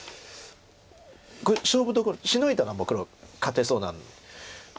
勝負どころシノいだらもう黒勝てそうな。